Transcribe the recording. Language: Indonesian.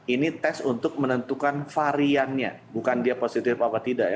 ini tes untuk menentukan variannya bukan dia positif apa tidak ya